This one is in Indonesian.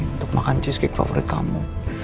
untuk makan cheesecake favorit kamu